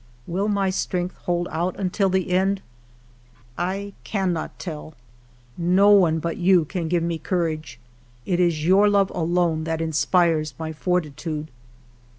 Will my strength hold out until the end? I cannot tell. No one but you can give me courage. It is your love alone that inspires my fortitude.